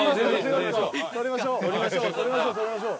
撮りましょう！